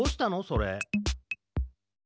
それ。